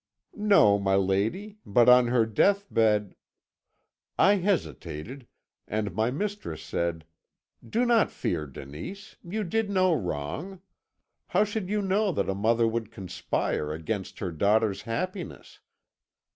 "'No, my lady, but on her deathbed ' "I hesitated, and my mistress said. 'Do not fear, Denise; you did no wrong. How should you know that a mother would conspire against her daughter's happiness?